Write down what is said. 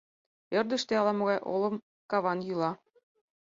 Ӧрдыжтӧ ала-могай олым каван йӱла.